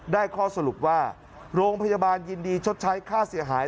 ข้อสรุปว่าโรงพยาบาลยินดีชดใช้ค่าเสียหาย